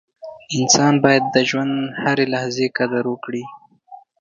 • انسان باید د ژوند هره لحظه قدر وکړي.